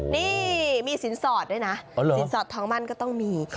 นี่มีสินสอดด้วยนะสินสอดทองมั่นก็ต้องมี